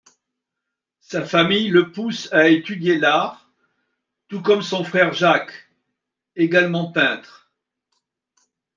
Sa famille le pousse à étudier l'art, tout comme son frère Jacques, également peintre.